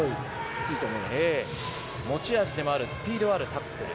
持ち味でもあるスピードあるタックル。